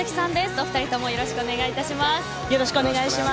お二人ともよろしくお願いします。